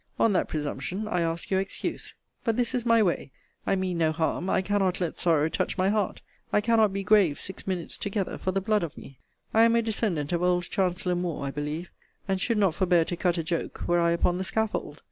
On that presumption, I ask your excuse. But this is my way. I mean no harm. I cannot let sorrow touch my heart. I cannot be grave six minutes together, for the blood of me. I am a descendant of old Chancellor Moore, I believe; and should not forbear to cut a joke, were I upon the scaffold.